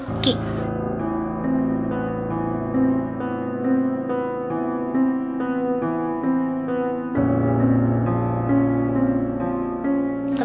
tapi aku mau keluar